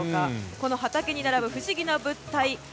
この畑に並ぶ、不思議な物体。